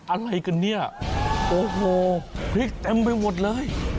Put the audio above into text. อะไรกันเนี่ยโอ้โหพริกเต็มไปหมดเลย